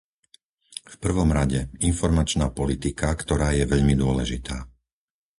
V prvom rade, informačná politika, ktorá je veľmi dôležitá.